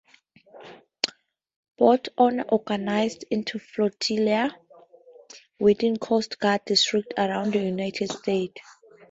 Boat Owners organized into flotillas within Coast Guard districts around the United States.